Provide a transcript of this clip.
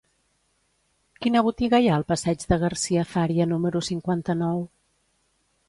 Quina botiga hi ha al passeig de Garcia Fària número cinquanta-nou?